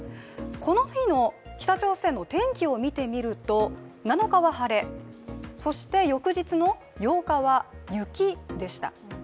この日の北朝鮮の天気を見てみると７日は晴れ、そして翌日の８日は雪でした。